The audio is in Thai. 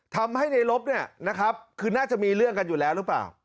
ทำให้ในลบเนี่ยนะครับคือน่าจะมีเรื่องกันอยู่แล้วหรือเปล่า